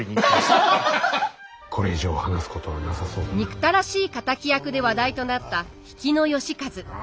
憎たらしい敵役で話題となった比企能員。